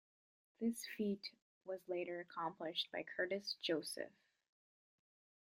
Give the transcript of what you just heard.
This feat was later accomplished by Curtis Joseph.